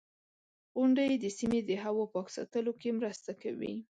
• غونډۍ د سیمې د هوا پاک ساتلو کې مرسته کوي.